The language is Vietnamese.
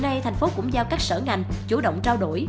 và thành phố cũng giao các sở ngành chủ động trao đổi